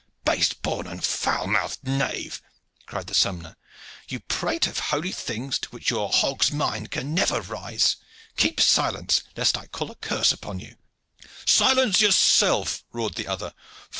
"Base born and foul mouthed knave!" cried the sompnour. "You prate of holy things, to which your hog's mind can never rise. Keep silence, lest I call a curse upon you!" "Silence yourself!" roared the other.